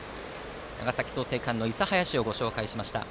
長崎・創成館の諫早市を紹介しました。